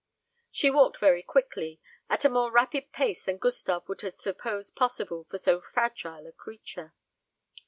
She walked very quickly at a more rapid pace than Gustave would have supposed possible for so fragile a creature.